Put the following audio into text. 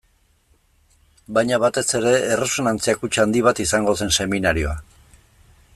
Baina batez ere, erresonantzia kutxa handi bat izango zen seminarioa.